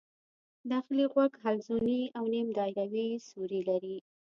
داخلي غوږ حلزوني او نیم دایروي سوري لري.